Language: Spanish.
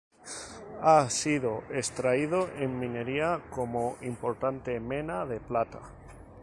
Ha sido extraído en minería como importante mena de plata.